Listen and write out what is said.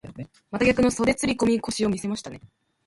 また逆の袖釣り込み腰を見せましたね。